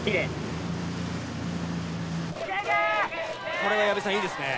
これは矢部さんいいですね。